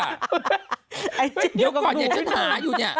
เดี๋ยวก่อนเนี่ยฉันหาอยู่เนี่ย